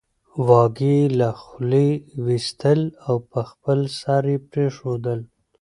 واګی یې له خولې وېستل او په خپل سر یې پرېښودل